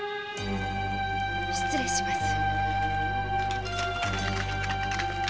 失礼します。